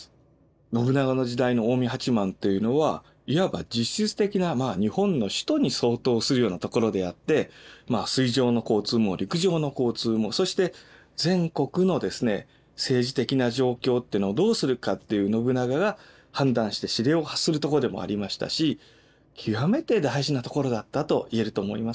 信長の時代の近江八幡というのはいわば実質的な日本の首都に相当するようなところであってまあ水上の交通も陸上の交通もそして全国の政治的な状況ってのをどうするかっていう信長が判断して指令を発するとこでもありましたし極めて大事なところだったと言えると思います。